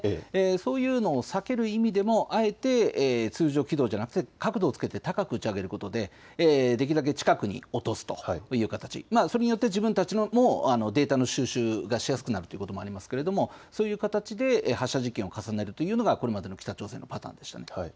そういうのを避ける意味でもあえて通常軌道じゃなくて角度をつけて高く打ち上げることでできるだけ近くに落とすという形、それによって自分たちもデータの収集がしやすくなるということもありますがそういう形で発射実験を重ねるというのがこれまでの北朝鮮のパターンでした。